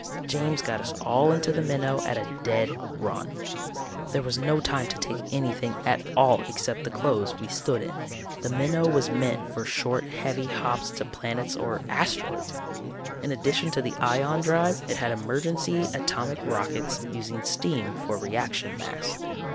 "James got us all into the Minnow at a dead run. There was no time to take anything at all except the clothes we stood in. The Minnow was meant for short heavy hops to planets or asteroids. In addition to the ion drive it had emergency atomic rockets, using steam for reaction mass.